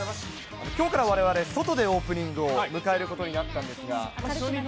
きょうからわれわれ、外でオープニングを迎えることになったんですが、初日、